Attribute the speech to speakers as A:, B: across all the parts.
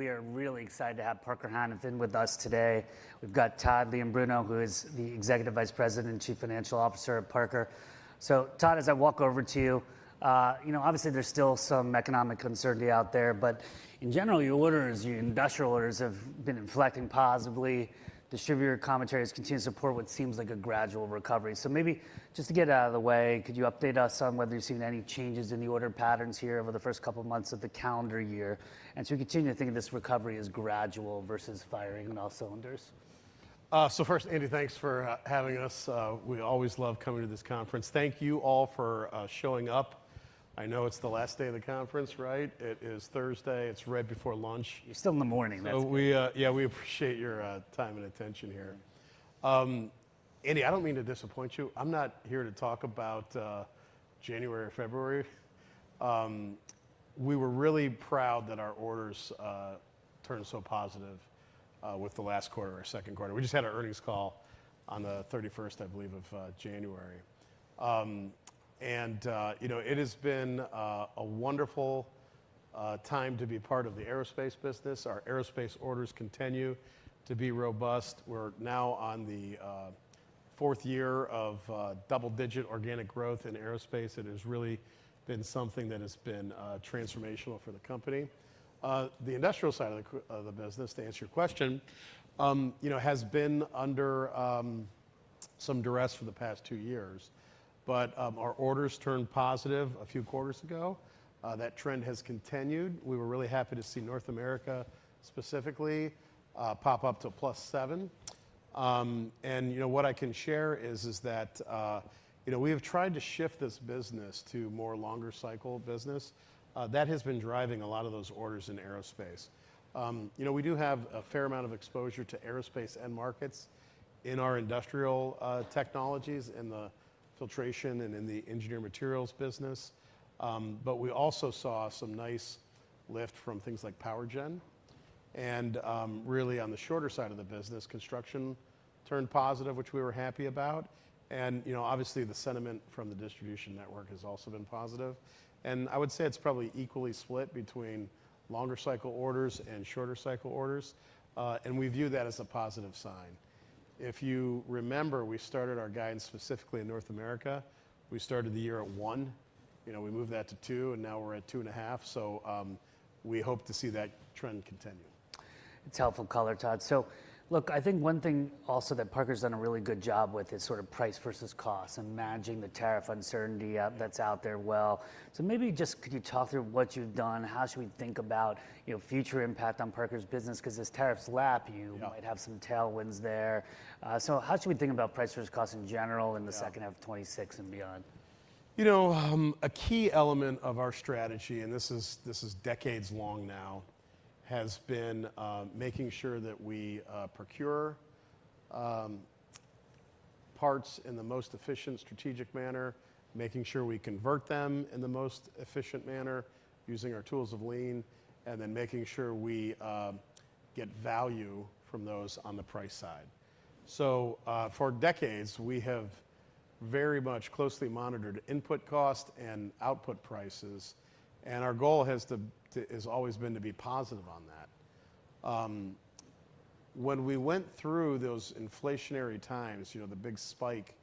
A: We are really excited to have Parker Hannifin with us today. We've got Todd Leombruno, who is the Executive Vice President and Chief Financial Officer of Parker. So Todd, as I walk over to you, you know, obviously there's still some economic uncertainty out there, but in general, your orders, your industrial orders, have been inflecting positively. Distributor commentary has continued to support what seems like a gradual recovery. So maybe just to get it out of the way, could you update us on whether you've seen any changes in the order patterns here over the first couple of months of the calendar year? And do you continue to think of this recovery as gradual versus firing on all cylinders?
B: So first, Andy, thanks for having us. We always love coming to this conference. Thank you all for showing up. I know it's the last day of the conference, right? It is Thursday, it's right before lunch.
A: It's still in the morning, that's good.
B: So we appreciate your time and attention here. Andy, I don't mean to disappoint you. I'm not here to talk about January or February. We were really proud that our orders turned so positive with the last quarter, our second quarter. We just had our earnings call on the 31st, I believe, of January. And you know, it has been a wonderful time to be part of the aerospace business. Our aerospace orders continue to be robust. We're now on the fourth year of double-digit organic growth in aerospace, and it has really been something that has been transformational for the company. The industrial side of the business, to answer your question, you know, has been under some duress for the past two years, but our orders turned positive a few quarters ago. That trend has continued. We were really happy to see North America, specifically, pop up to +7%. What I can share is that, you know, we have tried to shift this business to more longer cycle business. That has been driving a lot of those orders in aerospace. You know, we do have a fair amount of exposure to aerospace end markets in our industrial technologies, in the filtration and in the engineered materials business. But we also saw some nice lift from things like power gen. Really, on the shorter side of the business, construction turned positive, which we were happy about. You know, obviously, the sentiment from the distribution network has also been positive. I would say it's probably equally split between longer cycle orders and shorter cycle orders, and we view that as a positive sign. If you remember, we started our guidance, specifically in North America, we started the year at 1, you know, we moved that to 2, and now we're at 2.5, so, we hope to see that trend continue.
A: It's helpful color, Todd. So look, I think one thing also that Parker's done a really good job with is sort of price versus cost and managing the tariff uncertainty that's out there well. So maybe just could you talk through what you've done? How should we think about, you know, future impact on Parker's business? Because as tariffs lap-
B: Yeah...
A: you might have some tailwinds there. So how should we think about price versus cost in general?
B: Yeah...
A: in the second half of 2026 and beyond?
B: You know, a key element of our strategy, and this is, this is decades long now, has been making sure that we procure parts in the most efficient, strategic manner, making sure we convert them in the most efficient manner, using our tools of lean, and then making sure we get value from those on the price side. So, for decades, we have very much closely monitored input cost and output prices, and our goal has always been to be positive on that. When we went through those inflationary times, you know, the big spike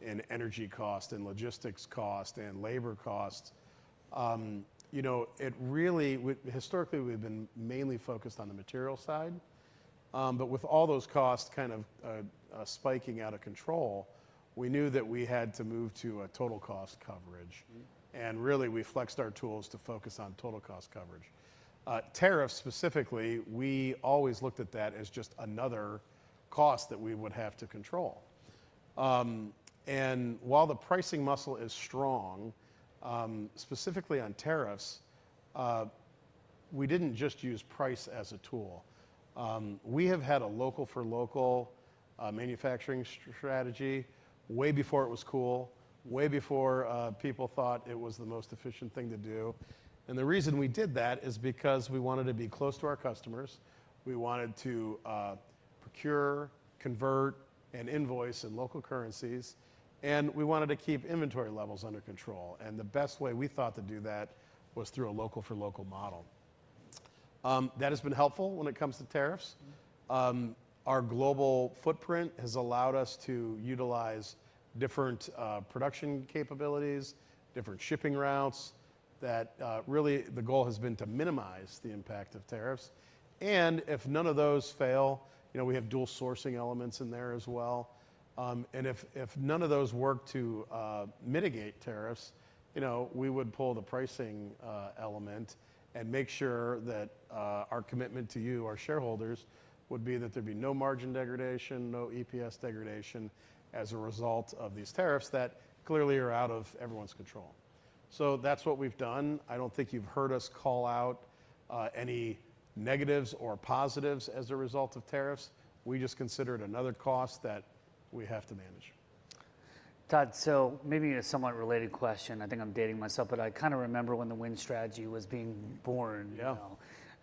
B: in energy cost and logistics cost and labor cost, you know, it really... Historically, we've been mainly focused on the material side, but with all those costs kind of spiking out of control, we knew that we had to move to a total cost coverage.
A: Mm-hmm.
B: Really, we flexed our tools to focus on total cost coverage. Tariffs, specifically, we always looked at that as just another cost that we would have to control. While the pricing muscle is strong, specifically on tariffs, we didn't just use price as a tool. We have had a local-for-local manufacturing strategy way before it was cool, way before people thought it was the most efficient thing to do. The reason we did that is because we wanted to be close to our customers, we wanted to procure, convert, and invoice in local currencies, and we wanted to keep inventory levels under control, and the best way we thought to do that was through a local-for-local model. That has been helpful when it comes to tariffs. Our global footprint has allowed us to utilize different, production capabilities, different shipping routes, that, really, the goal has been to minimize the impact of tariffs. And if none of those fail, you know, we have dual sourcing elements in there as well. And if none of those work to, mitigate tariffs, you know, we would pull the pricing, element and make sure that, our commitment to you, our shareholders, would be that there'd be no margin degradation, no EPS degradation as a result of these tariffs that clearly are out of everyone's control. So that's what we've done. I don't think you've heard us call out, any negatives or positives as a result of tariffs. We just consider it another cost that we have to manage.
A: Todd, so maybe a somewhat related question. I think I'm dating myself, but I kind of remember when the Win Strategy was being born.
B: Yeah.
A: You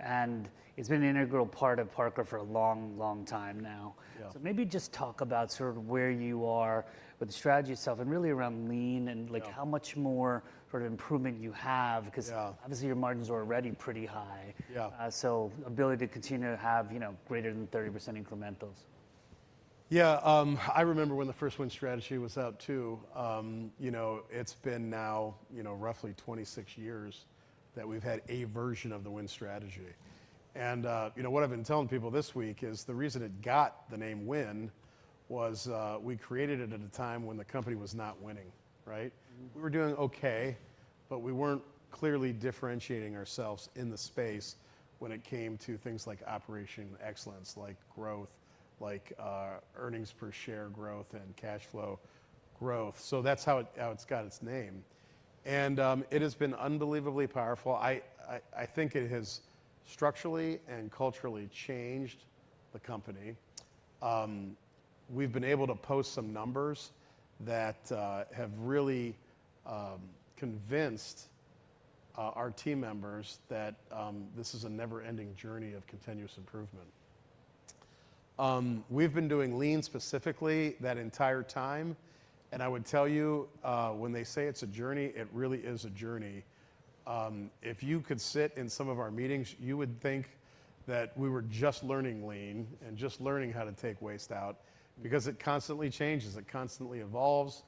A: know, and it's been an integral part of Parker for a long, long time now.
B: Yeah.
A: Maybe just talk about sort of where you are with the strategy itself, and really around Lean-
B: Yeah...
A: and, like, how much more sort of improvement you have-
B: Yeah...
A: because obviously, your margins are already pretty high.
B: Yeah.
A: ability to continue to have, you know, greater than 30% incrementals....
B: Yeah, I remember when the first Win Strategy was out, too. You know, it's been now, you know, roughly 26 years that we've had a version of the Win Strategy. And, you know, what I've been telling people this week is the reason it got the name Win was, we created it at a time when the company was not winning, right? We were doing okay, but we weren't clearly differentiating ourselves in the space when it came to things like operational excellence, like growth, like, earnings per share growth and cash flow growth. So that's how it, how it's got its name. And, it has been unbelievably powerful. I think it has structurally and culturally changed the company. We've been able to post some numbers that have really convinced our team members that this is a never-ending journey of continuous improvement. We've been doing Lean specifically that entire time, and I would tell you, when they say it's a journey, it really is a journey. If you could sit in some of our meetings, you would think that we were just learning Lean and just learning how to take waste out, because it constantly changes, it constantly evolves,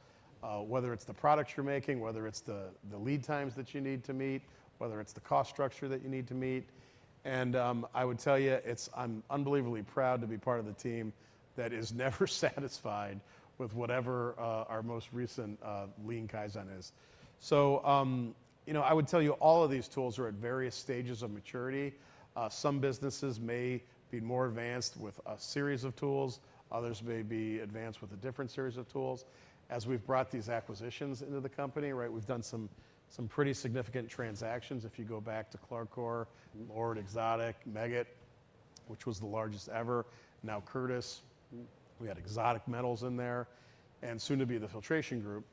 B: whether it's the products you're making, whether it's the lead times that you need to meet, whether it's the cost structure that you need to meet. And I would tell you, it's. I'm unbelievably proud to be part of the team that is never satisfied with whatever our most recent Lean Kaizen is. So, you know, I would tell you, all of these tools are at various stages of maturity. Some businesses may be more advanced with a series of tools, others may be advanced with a different series of tools. As we've brought these acquisitions into the company, right, we've done some pretty significant transactions. If you go back to Clarcor, Lord, Exotic, Meggitt, which was the largest ever. Now Curtis, we had Exotic Metals in there, and soon to be the Filtration Group.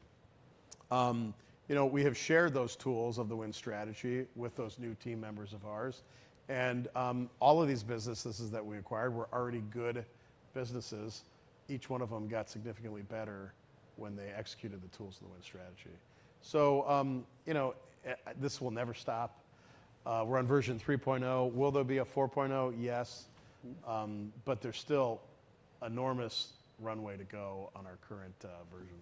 B: You know, we have shared those tools of the Win Strategy with those new team members of ours, and all of these businesses that we acquired were already good businesses. Each one of them got significantly better when they executed the tools of the Win Strategy. So, you know, this will never stop. We're on version 3.0. Will there be a 4.0? Yes, but there's still enormous runway to go on our current version.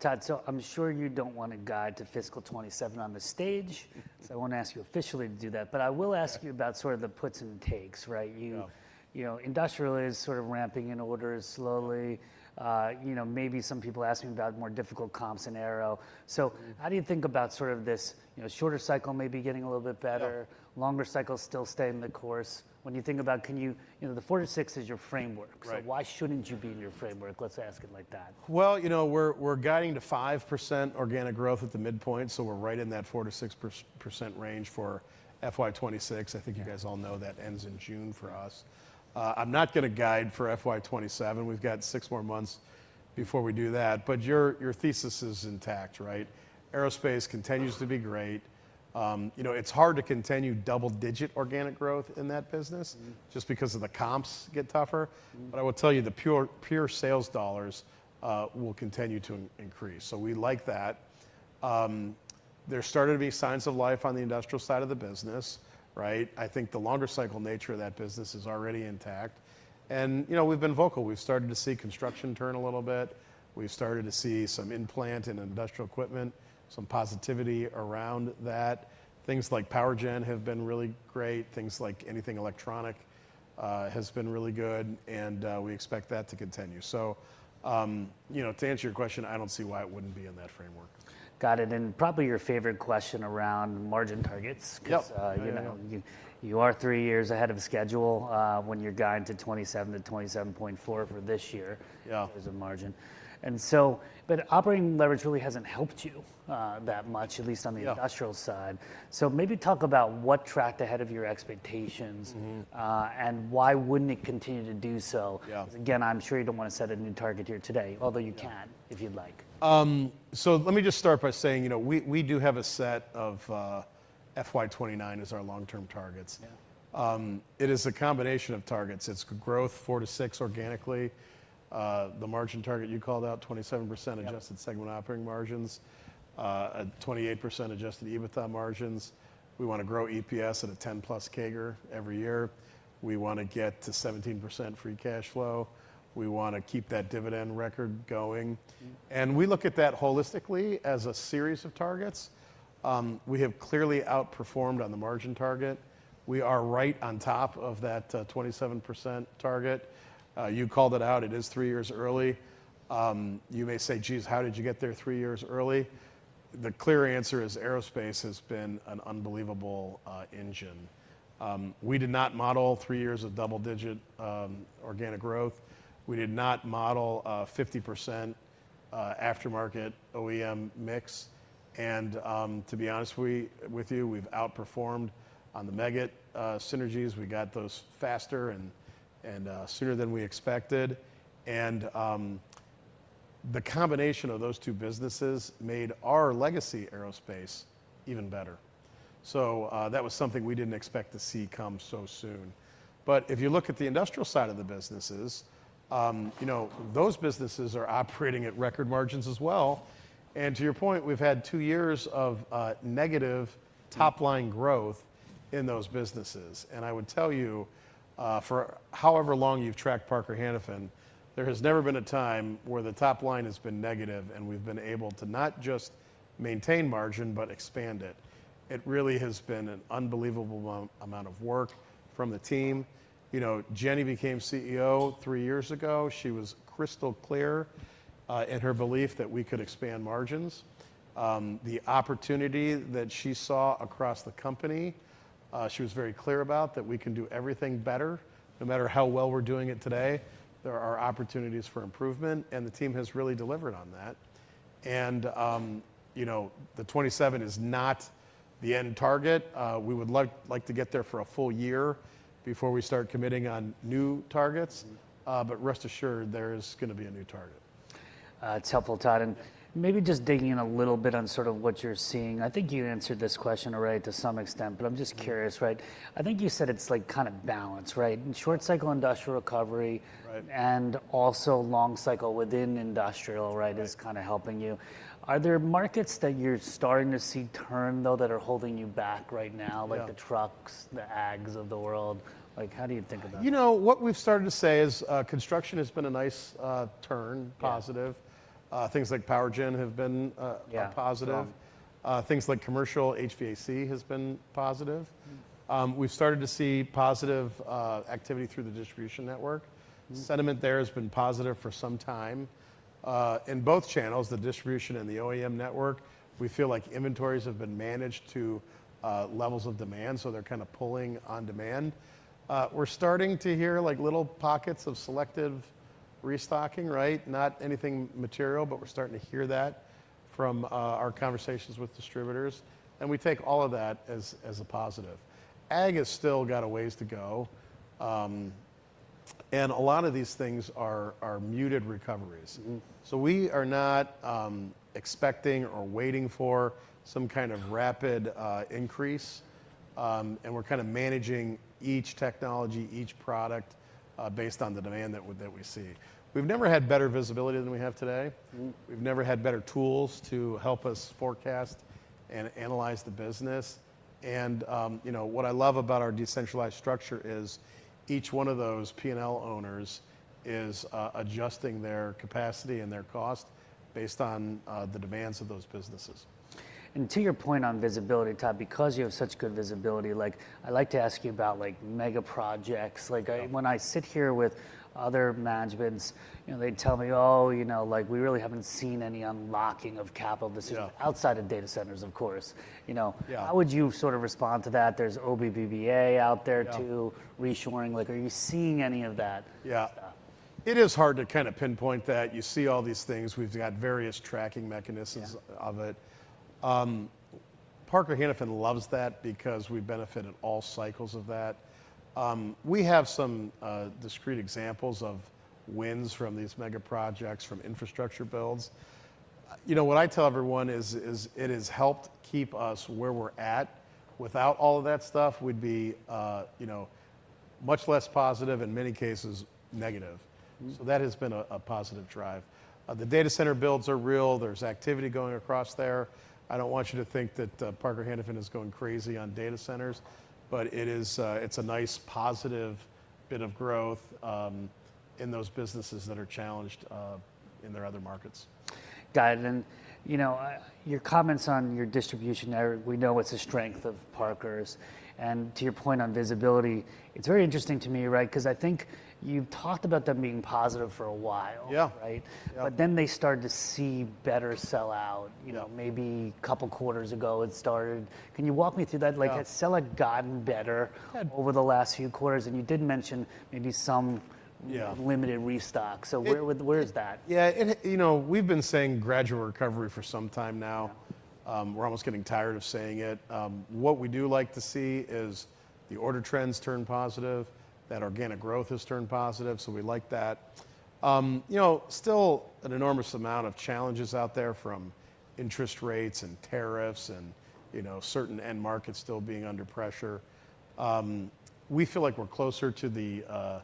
A: Todd, so I'm sure you don't want to guide to fiscal 2027 on the stage, so I won't ask you officially to do that. But I will ask you about sort of the puts and takes, right?
B: Yeah.
A: You know, industrial is sort of ramping in orders slowly. You know, maybe some people asking about more difficult comps in Aero. So how do you think about sort of this, you know, shorter cycle maybe getting a little bit better-
B: Yeah....
A: longer cycle, still staying the course? When you think about, can you-- You know, the 4-6 is your framework.
B: Right.
A: Why shouldn't you be in your framework? Let's ask it like that.
B: Well, you know, we're guiding to 5% organic growth at the midpoint, so we're right in that 4%-6% range for FY 2026. I think you guys all know that ends in June for us. I'm not going to guide for FY 2027. We've got six more months before we do that, but your thesis is intact, right? Aerospace continues to be great. You know, it's hard to continue double-digit organic growth in that business-
A: Mm.
B: Just because of the comps get tougher.
A: Mm.
B: But I will tell you, the pure, pure sales dollars will continue to increase, so we like that. There's starting to be signs of life on the industrial side of the business, right? I think the longer cycle nature of that business is already intact. And, you know, we've been vocal. We've started to see construction turn a little bit. We've started to see some in-plant and industrial equipment, some positivity around that. Things like power gen have been really great. Things like anything electronic has been really good, and we expect that to continue. So, you know, to answer your question, I don't see why it wouldn't be in that framework.
A: Got it, and probably your favorite question around margin targets-
B: Yep.
A: because, you know, you are three years ahead of schedule, when you're guiding to 27-27.4 for this year-
B: Yeah
A: -as a margin. But operating leverage really hasn't helped you that much, at least on the-
B: Yeah...
A: industrial side. So maybe talk about what tracked ahead of your expectations-
B: Mm-hmm...
A: and why wouldn't it continue to do so?
B: Yeah.
A: Again, I'm sure you don't want to set a new target here today, although you can-
B: Yeah
A: -if you'd like.
B: Let me just start by saying, you know, we, we do have a set of FY 2029 as our long-term targets.
A: Yeah.
B: It is a combination of targets. It's growth 4-6 organically, the margin target you called out, 27%.
A: Yep...
B: adjusted segment operating margins, a 28% adjusted EBITDA margins. We want to grow EPS at a 10+ CAGR every year. We want to get to 17% free cash flow. We want to keep that dividend record going.
A: Mm.
B: We look at that holistically as a series of targets. We have clearly outperformed on the margin target. We are right on top of that 27% target. You called it out, it is three years early. You may say, "Geez, how did you get there three years early?" The clear answer is aerospace has been an unbelievable engine. We did not model three years of double-digit organic growth. We did not model a 50% aftermarket OEM mix. And, to be honest, we, with you, we've outperformed on the Meggitt synergies. We got those faster and sooner than we expected. And, the combination of those two businesses made our legacy aerospace even better. So, that was something we didn't expect to see come so soon. But if you look at the industrial side of the businesses, you know, those businesses are operating at record margins as well. To your point, we've had two years of negative top-line growth in those businesses. I would tell you, for however long you've tracked Parker Hannifin, there has never been a time where the top line has been negative, and we've been able to not just maintain margin, but expand it. It really has been an unbelievable amount of work from the team. You know, Jenny became CEO three years ago. She was crystal clear in her belief that we could expand margins. The opportunity that she saw across the company, she was very clear about, that we can do everything better. No matter how well we're doing it today, there are opportunities for improvement, and the team has really delivered on that. And, you know, the 27 is not the end target. We would like, like to get there for a full year before we start committing on new targets. But rest assured, there's gonna be a new target.
A: It's helpful, Todd. Maybe just digging in a little bit on sort of what you're seeing. I think you answered this question already to some extent, but I'm just curious, right? I think you said it's, like, kind of balanced, right? Short cycle industrial recovery-
B: Right...
A: and also long cycle within Industrial, right-
B: Right...
A: is kind of helping you. Are there markets that you're starting to see turn, though, that are holding you back right now?
B: Yeah...
A: like the trucks, the ags of the world? Like, how do you think about that?
B: You know, what we've started to say is, construction has been a nice, turn-
A: Yeah...
B: positive. Things like power gen have been,
A: Yeah...
B: positive.
A: Yeah.
B: Things like commercial HVAC has been positive.
A: Mm.
B: We've started to see positive activity through the distribution network.
A: Mm.
B: Sentiment there has been positive for some time. In both channels, the distribution and the OEM network, we feel like inventories have been managed to levels of demand, so they're kind of pulling on demand. We're starting to hear, like, little pockets of selective restocking, right? Not anything material, but we're starting to hear that from our conversations with distributors, and we take all of that as a positive. Ag has still got a ways to go. A lot of these things are muted recoveries.
A: Mm.
B: So we are not expecting or waiting for some kind of rapid increase. And we're kind of managing each technology, each product based on the demand that we see. We've never had better visibility than we have today.
A: Mm.
B: We've never had better tools to help us forecast and analyze the business. You know, what I love about our decentralized structure is, each one of those P&L owners is adjusting their capacity and their cost based on the demands of those businesses.
A: To your point on visibility, Todd, because you have such good visibility, like, I'd like to ask you about, like, mega projects.
B: Yeah.
A: Like, when I sit here with other managements, you know, they tell me, "Oh, you know, like, we really haven't seen any unlocking of capital decisions-
B: Yeah...
A: outside of data centers, of course." You know?
B: Yeah.
A: How would you sort of respond to that? There's BABA out there, too-
B: Yeah...
A: reshoring. Like, are you seeing any of that-
B: Yeah...
A: stuff?
B: It is hard to kind of pinpoint that. You see all these things. We've got various tracking mechanisms-
A: Yeah...
B: of it. Parker Hannifin loves that because we benefit in all cycles of that. We have some discrete examples of wins from these mega projects, from infrastructure builds. You know, what I tell everyone is, it has helped keep us where we're at. Without all of that stuff, we'd be, you know, much less positive, in many cases, negative.
A: Mm.
B: So that has been a positive drive. The data center builds are real. There's activity going across there. I don't want you to think that Parker Hannifin is going crazy on data centers, but it is, it's a nice positive bit of growth in those businesses that are challenged in their other markets.
A: Got it, and, you know, your comments on your distribution network, we know it's a strength of Parker's, and to your point on visibility, it's very interesting to me, right, 'cause I think you've talked about them being positive for a while-
B: Yeah...
A: right?
B: Yeah.
A: But then they started to see better sell out.
B: Yeah.
A: You know, maybe a couple quarters ago, it started. Can you walk me through that?
B: Yeah.
A: Like, has sales gotten better?
B: Good...
A: over the last few quarters? And you did mention maybe some-
B: Yeah...
A: limited restock.
B: It-
A: Where is that?
B: Yeah, you know, we've been saying gradual recovery for some time now.
A: Yeah.
B: We're almost getting tired of saying it. What we do like to see is the order trends turn positive, that organic growth has turned positive, so we like that. You know, still an enormous amount of challenges out there, from interest rates and tariffs and, you know, certain end markets still being under pressure. We feel like we're closer to the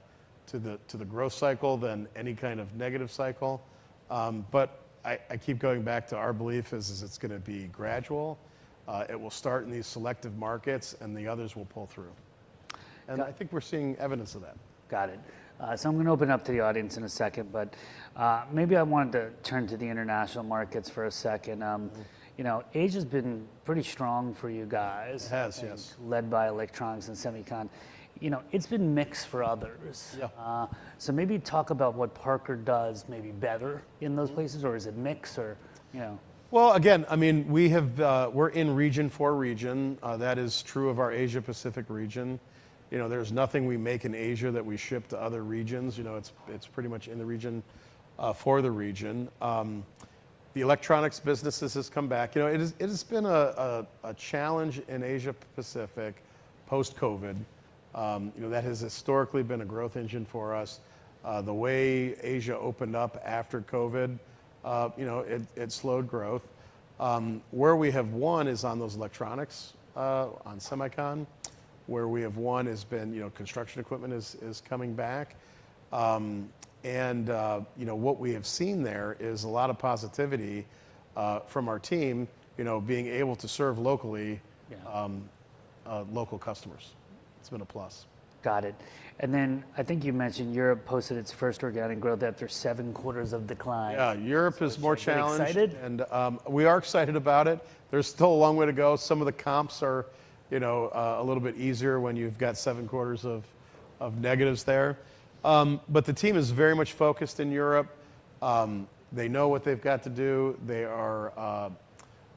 B: growth cycle than any kind of negative cycle. But I keep going back to our belief is it's gonna be gradual. It will start in these selective markets, and the others will pull through.
A: Got-
B: I think we're seeing evidence of that.
A: Got it. So I'm gonna open up to the audience in a second, but maybe I wanted to turn to the international markets for a second.
B: Mm...
A: you know, Asia's been pretty strong for you guys.
B: It has, yes.
A: Led by electronics and semicon. You know, it's been mixed for others.
B: Yeah.
A: Maybe talk about what Parker does maybe better in those places.
B: Mm...
A: or is it mix or, you know?
B: Well, again, I mean, we have, we're in region for region. That is true of our Asia Pacific region. You know, there's nothing we make in Asia that we ship to other regions. You know, it's, it's pretty much in the region for the region. The electronics businesses has come back. You know, it has been a challenge in Asia Pacific post-COVID. You know, that has historically been a growth engine for us. The way Asia opened up after COVID, you know, it slowed growth. Where we have won is on those electronics, on semicon. Where we have won has been, you know, construction equipment is coming back. You know, what we have seen there is a lot of positivity from our team, you know, being able to serve locally-
A: Yeah...
B: local customers. It's been a plus.
A: Got it. And then I think you mentioned Europe posted its first organic growth after seven quarters of decline.
B: Yeah, Europe is more challenged-
A: Are you excited?
B: We are excited about it. There's still a long way to go. Some of the comps are, you know, a little bit easier when you've got seven quarters of negatives there. But the team is very much focused in Europe. They know what they've got to do. They are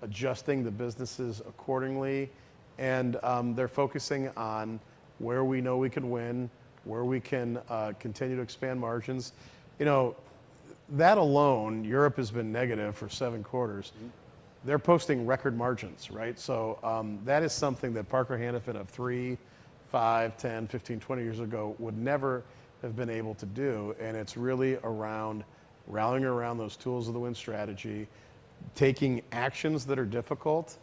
B: adjusting the businesses accordingly, and they're focusing on where we know we can win, where we can continue to expand margins. You know, that alone, Europe has been negative for seven quarters.
A: Mm.
B: They're posting record margins, right? So, that is something that Parker Hannifin of 3, 5, 10, 15, 20 years ago would never have been able to do, and it's really around rallying around those Tools of the Win Strategy, taking actions that are difficult,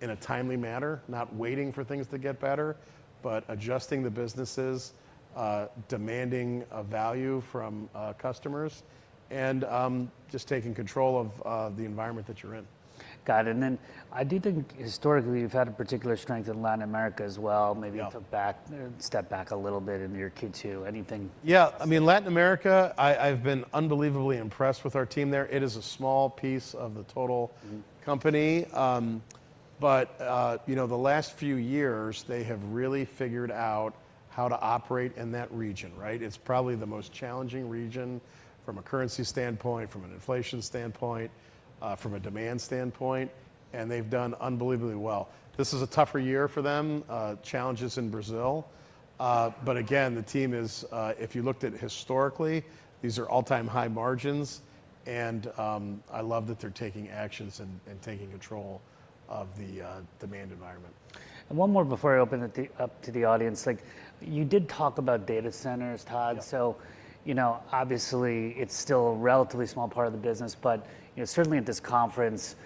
B: in a timely manner, not waiting for things to get better, but adjusting the businesses, demanding of value from, customers, and, just taking control of, the environment that you're in.
A: Got it, and then I do think historically you've had a particular strength in Latin America as well.
B: Yeah.
A: Maybe you took a step back a little bit in your Q2. Anything?
B: Yeah. I mean, Latin America, I, I've been unbelievably impressed with our team there. It is a small piece of the total-
A: Mm...
B: company. But, you know, the last few years, they have really figured out how to operate in that region, right? It's probably the most challenging region from a currency standpoint, from an inflation standpoint, from a demand standpoint, and they've done unbelievably well. This is a tougher year for them, challenges in Brazil. But again, the team is, if you looked at historically, these are all-time high margins, and, I love that they're taking actions and, and taking control of the, demand environment.
A: One more before I open it up to the audience. Like, you did talk about data centers, Todd.
B: Yeah.
A: So, you know, obviously, it's still a relatively small part of the business, but, you know, certainly at this conference,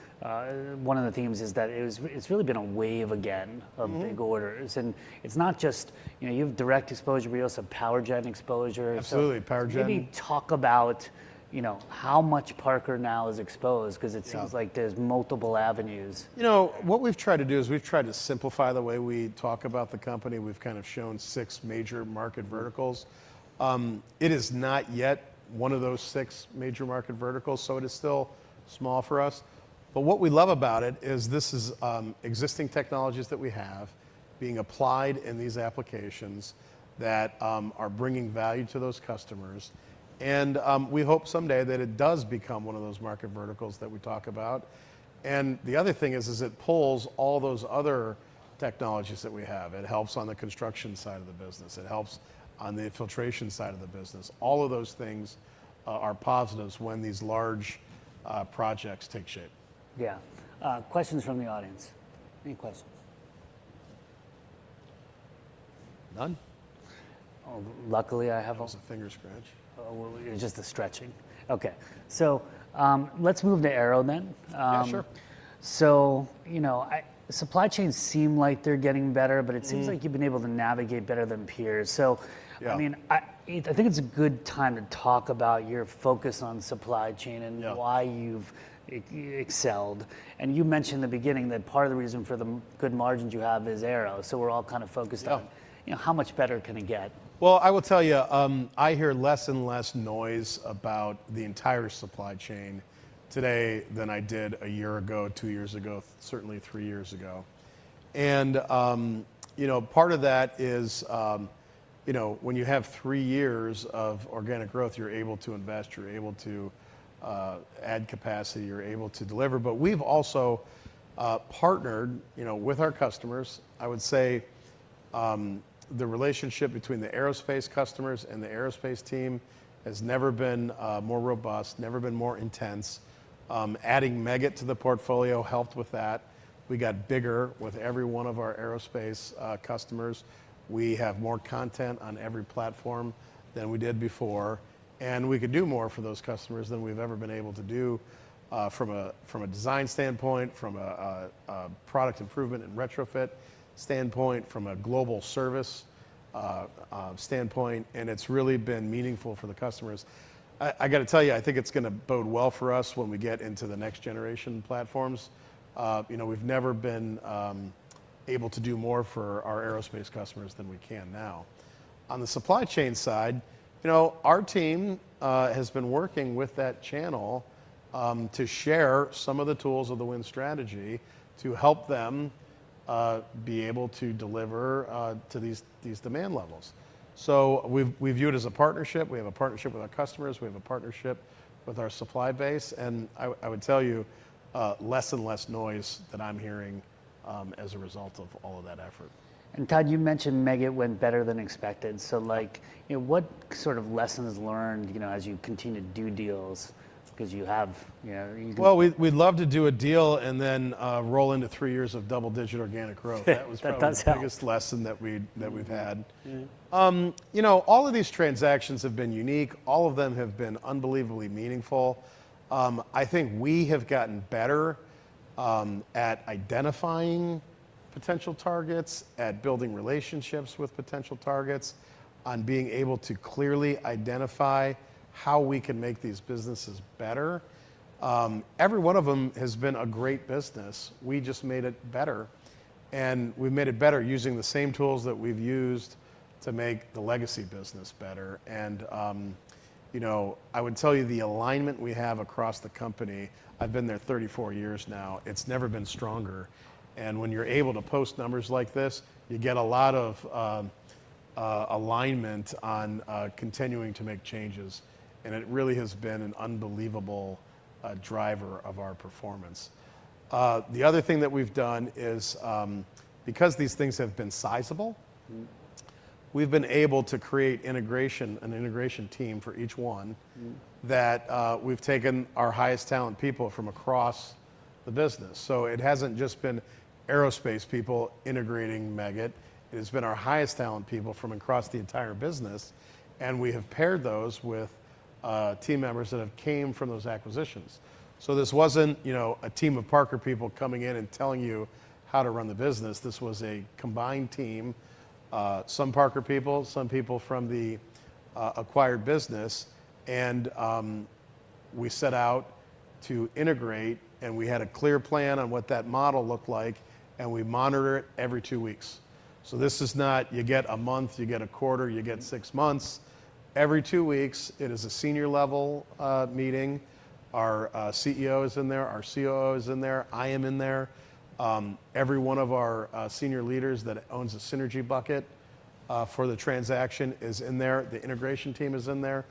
A: one of the themes is that it's really been a wave again.
B: Mm-hmm...
A: of big orders. It's not just, you know, you have direct exposure, but you also have power gen exposure.
B: Absolutely, power gen-
A: Maybe talk about, you know, how much Parker now is exposed-
B: Yeah...
A: 'cause it seems like there's multiple avenues.
B: You know, what we've tried to do is we've tried to simplify the way we talk about the company. We've kind of shown six major market verticals. It is not yet one of those six major market verticals, so it is still small for us. But what we love about it is this is existing technologies that we have being applied in these applications that are bringing value to those customers. And we hope someday that it does become one of those market verticals that we talk about. And the other thing is it pulls all those other technologies that we have. It helps on the construction side of the business. It helps on the filtration side of the business. All of those things are positives when these large projects take shape.
A: Yeah. Questions from the audience? Any questions?
B: None?
A: Oh, luckily, I have a-
B: That's a finger scratch.
A: Oh, well, it's just the stretching. Okay. So, let's move to Aero then.
B: Yeah, sure.
A: you know, supply chains seem like they're getting better-
B: Mm...
A: but it seems like you've been able to navigate better than peers. So-
B: Yeah ...
A: I mean, I think it's a good time to talk about your focus on supply chain-
B: Yeah...
A: and why you've excelled. You mentioned in the beginning that part of the reason for the good margins you have is Aero, so we're all kind of focused on-
B: Yeah...
A: you know, how much better can it get?
B: Well, I will tell you, I hear less and less noise about the entire supply chain today than I did a year ago, two years ago, certainly three years ago. And, you know, part of that is, you know, when you have three years of organic growth, you're able to invest, you're able to add capacity, you're able to deliver. But we've also partnered, you know, with our customers. I would say, the relationship between the aerospace customers and the aerospace team has never been more robust, never been more intense. Adding Meggitt to the portfolio helped with that. We got bigger with every one of our aerospace customers. We have more content on every platform than we did before, and we can do more for those customers than we've ever been able to do, from a design standpoint, from a product improvement and retrofit standpoint, from a global service standpoint, and it's really been meaningful for the customers. I gotta tell you, I think it's gonna bode well for us when we get into the next generation platforms. You know, we've never been able to do more for our aerospace customers than we can now. On the supply chain side, you know, our team has been working with that channel to share some of the tools of the Win Strategy to help them be able to deliver to these demand levels. So we view it as a partnership. We have a partnership with our customers. We have a partnership with our supply base, and I, I would tell you, less and less noise that I'm hearing, as a result of all of that effort.
A: And Todd, you mentioned Meggitt went better than expected. So like, you know, what sort of lessons learned, you know, as you continue to do deals? 'Cause you have, you-
B: Well, we'd love to do a deal and then roll into three years of double-digit organic growth.
A: That does happen.
B: That was probably the biggest lesson that we've had.
A: Mm.
B: You know, all of these transactions have been unique. All of them have been unbelievably meaningful. I think we have gotten better at identifying potential targets, at building relationships with potential targets, on being able to clearly identify how we can make these businesses better. Every one of them has been a great business. We just made it better, and we've made it better using the same tools that we've used to make the legacy business better. And, you know, I would tell you the alignment we have across the company. I've been there 34 years now. It's never been stronger. And when you're able to post numbers like this, you get a lot of alignment on continuing to make changes, and it really has been an unbelievable driver of our performance. The other thing that we've done is because these things have been sizable-
A: Mm ...
B: we've been able to create integration, an integration team for each one-
A: Mm...
B: that, we've taken our highest talent people from across the business. So it hasn't just been aerospace people integrating Meggitt, it has been our highest talent people from across the entire business, and we have paired those with, team members that have came from those acquisitions. So this wasn't, you know, a team of Parker people coming in and telling you how to run the business, this was a combined team, some Parker people, some people from the, acquired business. And, we set out to integrate, and we had a clear plan on what that model looked like, and we monitor it every two weeks. So this is not, you get a month, you get a quarter, you get six months.
A: Mm.
B: Every two weeks, it is a senior-level meeting. Our CEO is in there, our COO is in there, I am in there. Every one of our senior leaders that owns a synergy bucket for the transaction is in there, the integration team is in there,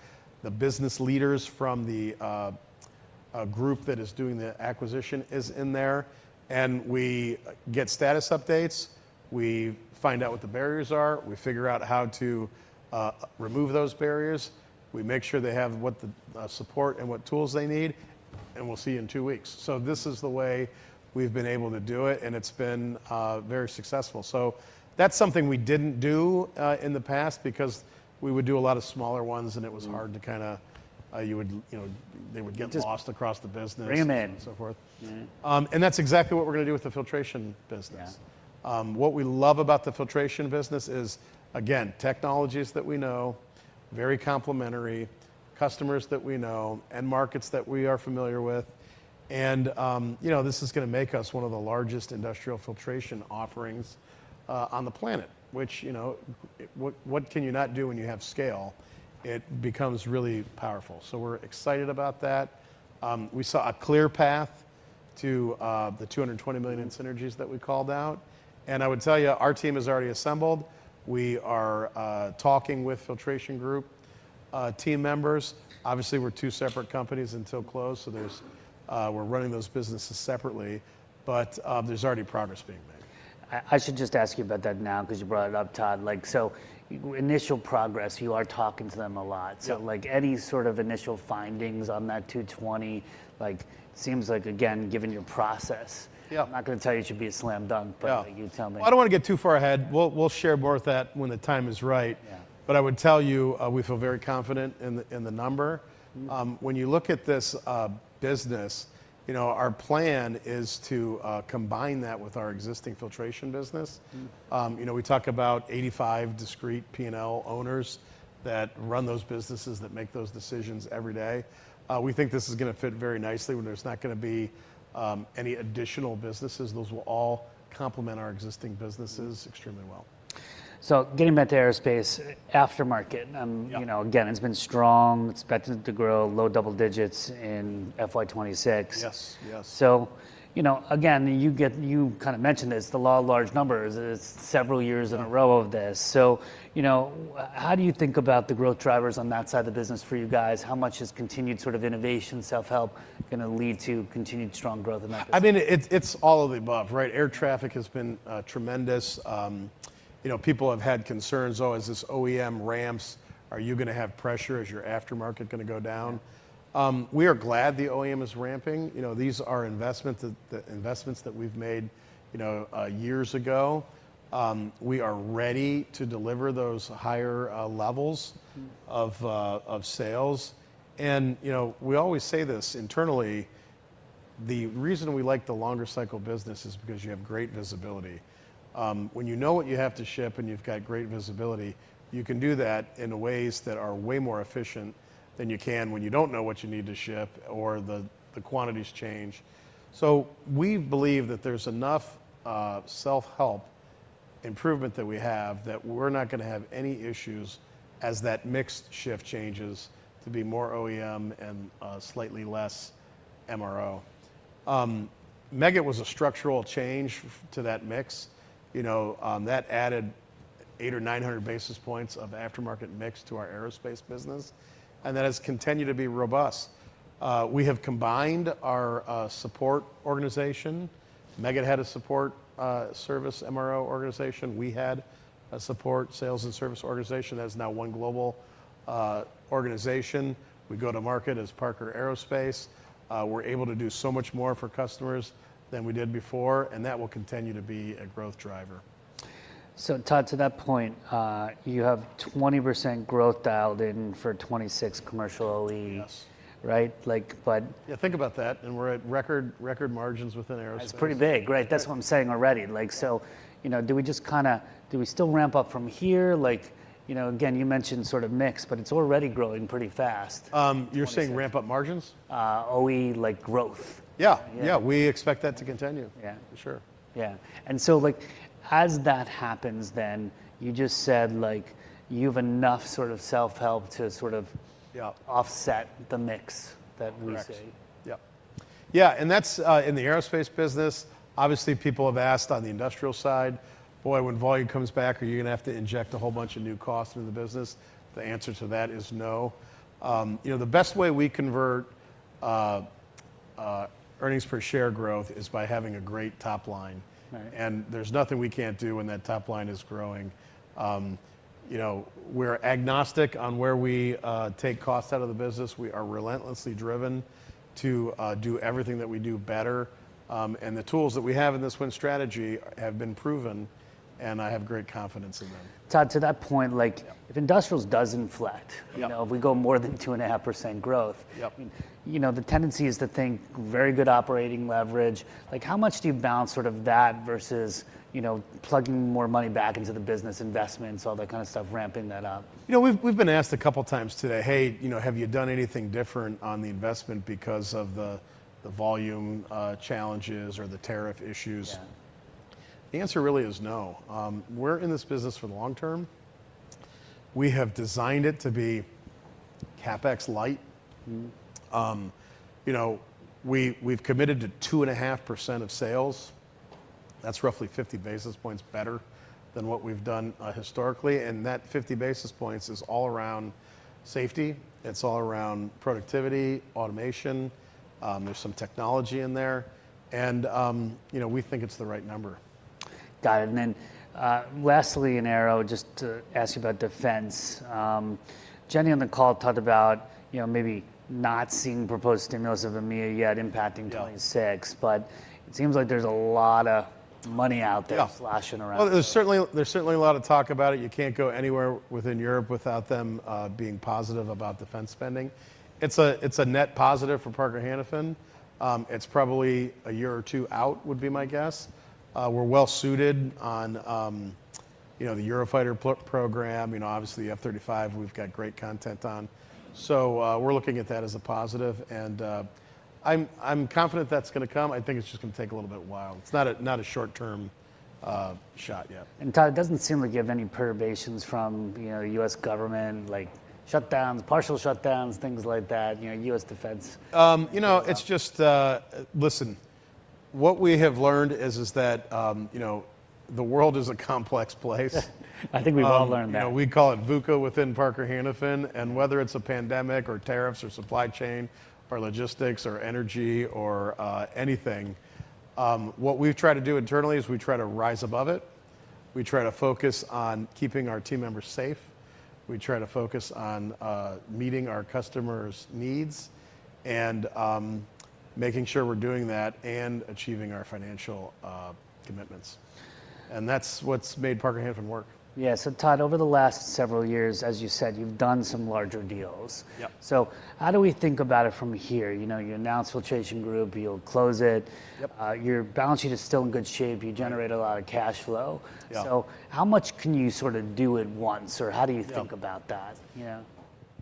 B: the business leaders from a group that is doing the acquisition is in there, and we get status updates, we find out what the barriers are, we figure out how to remove those barriers, we make sure they have what support and what tools they need, and we'll see you in two weeks. So this is the way we've been able to do it, and it's been very successful. So that's something we didn't do in the past, because we would do a lot of smaller ones, and it was-
A: Mm...
B: hard to kinda, you would, you know, they would get-
A: Just-...
B: lost across the business-
A: Bring 'em in....
B: and so forth.
A: Mm-hmm.
B: That's exactly what we're gonna do with the filtration business.
A: Yeah.
B: What we love about the filtration business is, again, technologies that we know, very complementary, customers that we know, end markets that we are familiar with, and, you know, this is gonna make us one of the largest industrial filtration offerings on the planet, which, you know, what, what can you not do when you have scale? It becomes really powerful. So we're excited about that. We saw a clear path to the $220 million in synergies that we called out, and I would tell you, our team is already assembled. We are talking with Filtration Group team members. Obviously, we're two separate companies until close, so we're running those businesses separately, but, there's already progress being made.
A: I should just ask you about that now, 'cause you brought it up, Todd. Like, so initial progress, you are talking to them a lot.
B: Yeah.
A: So, like, any sort of initial findings on that 220, like, seems like, again, given your process-
B: Yeah...
A: I'm not gonna tell you it should be a slam dunk, but-
B: Yeah...
A: you tell me.
B: Well, I don't wanna get too far ahead. We'll, we'll share more of that when the time is right.
A: Yeah.
B: But I would tell you, we feel very confident in the, in the number.
A: Mm.
B: When you look at this business, you know, our plan is to combine that with our existing filtration business.
A: Mm.
B: You know, we talk about 85 discrete P&L owners that run those businesses, that make those decisions every day. We think this is gonna fit very nicely, where there's not gonna be any additional businesses. Those will all complement our existing businesses-
A: Mm...
B: extremely well.
A: So getting back to aerospace aftermarket,
B: Yeah...
A: you know, again, it's been strong. Expected to grow low double digits in FY 2026.
B: Yes. Yes.
A: So, you know, again, you kind of mentioned this, the law of large numbers is several years in a row of this. So, you know, how do you think about the growth drivers on that side of the business for you guys? How much has continued sort of innovation, self-help, gonna lead to continued strong growth in that?
B: I mean, it's, it's all of the above, right? Air traffic has been tremendous. You know, people have had concerns, "Oh, as this OEM ramps, are you gonna have pressure? Is your aftermarket gonna go down?
A: Yeah.
B: We are glad the OEM is ramping. You know, these are the investments that we've made, you know, years ago. We are ready to deliver those higher levels-
A: Mm...
B: of sales. And, you know, we always say this internally, the reason we like the longer cycle business is because you have great visibility. When you know what you have to ship and you've got great visibility, you can do that in ways that are way more efficient than you can when you don't know what you need to ship or the quantities change. So we believe that there's enough self-help improvement that we have, that we're not gonna have any issues as that mix shift changes to be more OEM and slightly less MRO. Meggitt was a structural change to that mix. You know, that added 800 or 900 basis points of aftermarket mix to our aerospace business, and that has continued to be robust. We have combined our support organization. Meggitt had a support, service MRO organization. We had a support, sales, and service organization. That is now one global organization. We go to market as Parker Aerospace. We're able to do so much more for customers than we did before, and that will continue to be a growth driver....
A: So Todd, to that point, you have 20% growth dialed in for 2026 commercially-
B: Yes.
A: Right? Like, but-
B: Yeah, think about that, and we're at record, record margins within aerospace.
A: That's pretty big, right? That's what I'm saying already. Like, so, you know, do we just kinda, do we still ramp up from here? Like, you know, again, you mentioned sort of mix, but it's already growing pretty fast in 2026.
B: You're saying ramp up margins?
A: OEM, like growth.
B: Yeah.
A: Yeah.
B: Yeah, we expect that to continue.
A: Yeah.
B: For sure.
A: Yeah, and so, like, as that happens then, you just said, like, you've enough sort of self-help to sort of-
B: Yeah...
A: offset the mix that we see.
B: Correct. Yep. Yeah, and that's in the aerospace business. Obviously, people have asked on the industrial side, "Boy, when volume comes back, are you gonna have to inject a whole bunch of new costs into the business?" The answer to that is no. You know, the best way we convert earnings per share growth is by having a great top line.
A: Right.
B: And there's nothing we can't do when that top line is growing. You know, we're agnostic on where we take costs out of the business. We are relentlessly driven to do everything that we do better, and the tools that we have in this Win Strategy have been proven, and I have great confidence in them.
A: Todd, to that point, like-
B: Yeah...
A: if industrials does inflate-
B: Yeah...
A: you know, if we go more than 2.5% growth-
B: Yep...
A: you know, the tendency is to think very good operating leverage. Like, how much do you balance sort of that versus, you know, plugging more money back into the business investments, all that kind of stuff, ramping that up?
B: You know, we've been asked a couple times today, "Hey, you know, have you done anything different on the investment because of the volume challenges or the tariff issues?
A: Yeah.
B: The answer really is no. We're in this business for the long term. We have designed it to be CapEx light.
A: Mm-hmm.
B: You know, we, we've committed to 2.5% of sales. That's roughly 50 basis points better than what we've done, historically, and that 50 basis points is all around safety. It's all around productivity, automation. There's some technology in there, and, you know, we think it's the right number.
A: Got it, and then, lastly in Aero, just to ask you about defense, Jenny, on the call, talked about, you know, maybe not seeing proposed stimulus of EMEA yet impacting-
B: Yeah...
A: 2026, but it seems like there's a lot of money out there-
B: Yeah...
A: slashing around.
B: Well, there's certainly, there's certainly a lot of talk about it. You can't go anywhere within Europe without them being positive about defense spending. It's a net positive for Parker Hannifin. It's probably a year or two out, would be my guess. We're well suited on, you know, the Eurofighter program, you know, obviously, F-35, we've got great content on. So, we're looking at that as a positive, and, I'm confident that's gonna come. I think it's just gonna take a little bit while. It's not a short-term shot yet.
A: Todd, it doesn't seem like you have any perturbations from, you know, U.S. government, like shutdowns, partial shutdowns, things like that, you know, U.S. defense.
B: You know, it's just... Listen, what we have learned is that, you know, the world is a complex place.
A: I think we've all learned that.
B: You know, we call it VUCA within Parker Hannifin, and whether it's a pandemic or tariffs or supply chain or logistics or energy or anything, what we've tried to do internally is we try to rise above it. We try to focus on keeping our team members safe. We try to focus on meeting our customers' needs and making sure we're doing that and achieving our financial commitments, and that's what's made Parker Hannifin work.
A: Yeah. So Todd, over the last several years, as you said, you've done some larger deals.
B: Yep.
A: So how do we think about it from here? You know, you announced Filtration Group. You'll close it.
B: Yep.
A: Your balance sheet is still in good shape. You generate a lot of cash flow.
B: Yeah.
A: So how much can you sort of do at once, or how do you-
B: Yeah...
A: think about that, you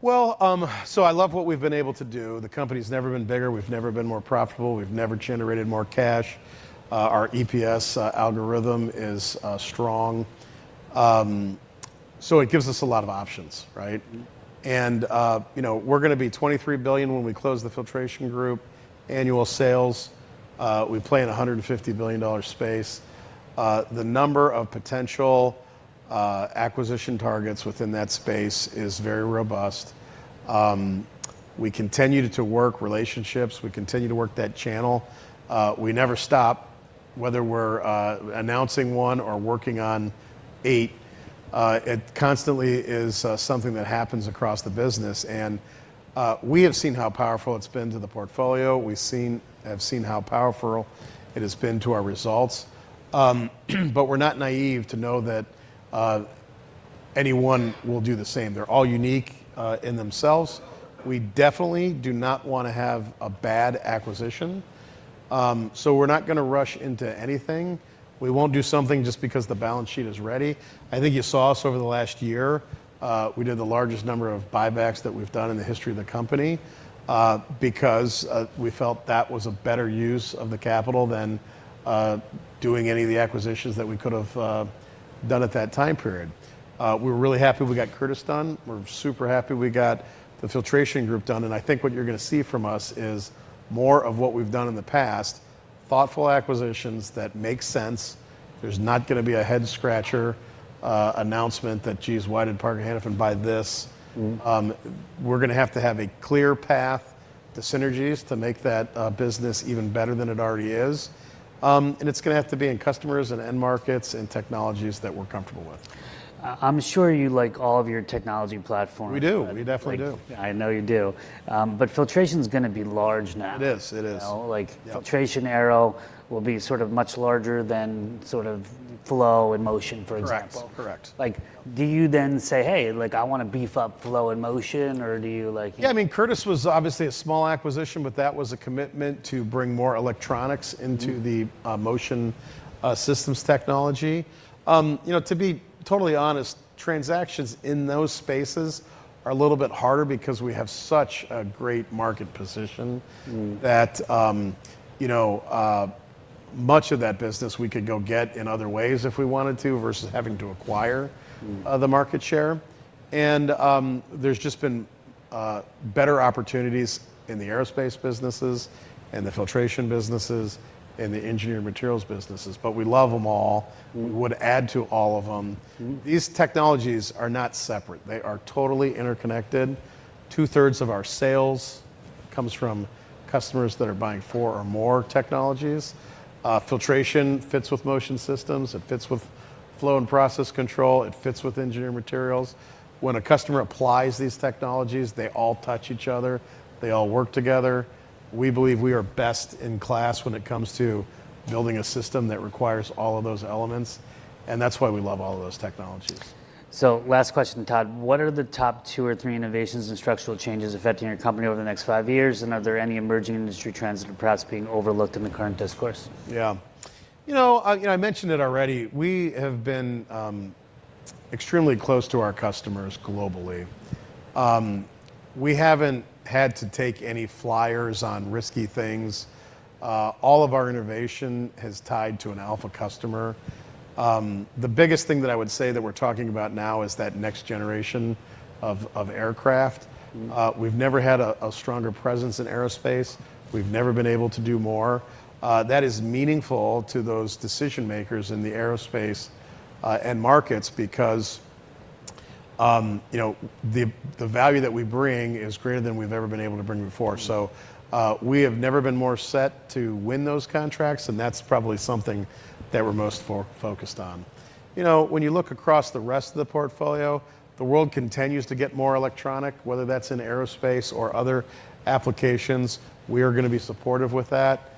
A: know.
B: Well, so I love what we've been able to do. The company's never been bigger. We've never been more profitable. We've never generated more cash. Our EPS algorithm is strong. So it gives us a lot of options, right?
A: Mm.
B: You know, we're gonna be $23 billion when we close the Filtration Group annual sales. We play in a $150 billion space. The number of potential acquisition targets within that space is very robust. We continue to work relationships, we continue to work that channel. We never stop, whether we're announcing 1 or working on 8, it constantly is something that happens across the business, and we have seen how powerful it's been to the portfolio. We've seen how powerful it has been to our results. But we're not naive to know that anyone will do the same. They're all unique in themselves. We definitely do not wanna have a bad acquisition, so we're not gonna rush into anything. We won't do something just because the balance sheet is ready. I think you saw us over the last year, we did the largest number of buybacks that we've done in the history of the company, because we felt that was a better use of the capital than doing any of the acquisitions that we could have done at that time period. We were really happy we got Curtis done. We're super happy we got the Filtration Group done, and I think what you're gonna see from us is more of what we've done in the past, thoughtful acquisitions that make sense. There's not gonna be a head-scratcher announcement that, "Geez, why did Parker Hannifin buy this?
A: Mm.
B: We're gonna have to have a clear path to synergies to make that business even better than it already is. It's gonna have to be in customers and end markets and technologies that we're comfortable with.
A: I'm sure you like all of your technology platforms.
B: We do. We definitely do.
A: Like, I know you do. But filtration's gonna be large now.
B: It is, it is.
A: You know?
B: Yeah.
A: Like, Filtration Group will be sort of much larger than sort of flow and motion, for example.
B: Correct. Correct.
A: Like, do you then say, "Hey, like I wanna beef up flow and motion," or do you like-
B: Yeah, I mean, Curtis was obviously a small acquisition, but that was a commitment to bring more electronics into the-
A: Mm...
B: motion, systems technology. You know, to be totally honest, transactions in those spaces are a little bit harder because we have such a great market position-
A: Mm...
B: that, you know, much of that business we could go get in other ways if we wanted to, versus having to acquire-
A: Mm...
B: the market share. There's just been better opportunities in the aerospace businesses, and the filtration businesses, and the engineering materials businesses, but we love them all.
A: Mm.
B: Would add to all of them.
A: Mm.
B: These technologies are not separate. They are totally interconnected. Two-thirds of our sales comes from customers that are buying four or more technologies. Filtration fits with motion systems, it fits with flow and process control, it fits with engineering materials. When a customer applies these technologies, they all touch each other, they all work together. We believe we are best in class when it comes to building a system that requires all of those elements, and that's why we love all of those technologies.
A: So last question, Todd. What are the top two or three innovations and structural changes affecting your company over the next five years? And are there any emerging industry trends that are perhaps being overlooked in the current discourse?
B: Yeah. You know, you know, I mentioned it already, we have been, extremely close to our customers globally. We haven't had to take any flyers on risky things. All of our innovation has tied to an alpha customer. The biggest thing that I would say that we're talking about now is that next generation of, of aircraft.
A: Mm.
B: We've never had a stronger presence in aerospace. We've never been able to do more. That is meaningful to those decision-makers in the aerospace and markets because, you know, the value that we bring is greater than we've ever been able to bring before.
A: Mm.
B: So, we have never been more set to win those contracts, and that's probably something that we're most focused on. You know, when you look across the rest of the portfolio, the world continues to get more electronic, whether that's in aerospace or other applications, we are gonna be supportive with that.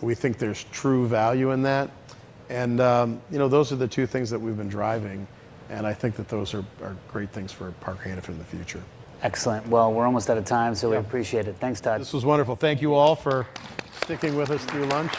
B: We think there's true value in that, and, you know, those are the two things that we've been driving, and I think that those are great things for Parker Hannifin in the future.
A: Excellent. Well, we're almost out of time.
B: Yeah...
A: so we appreciate it. Thanks, Todd.
B: This was wonderful. Thank you all for sticking with us through lunch.